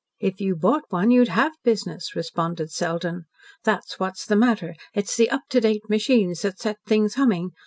"If you bought one you'd HAVE business," responded Selden. "That's what's the matter. It's the up to date machines that set things humming.